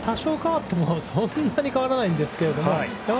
打順が変わってもそんなに変わらないんですけど。